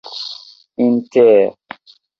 inter